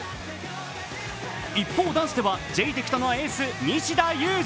一方、男子ではジェイテクトのエース・西田有志。